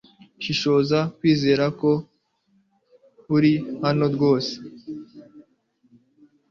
Sinshobora kwizera ko uri hano rwose